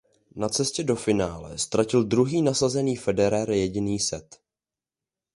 Na cestě do finále ztratil druhý nasazený Federer jediný set.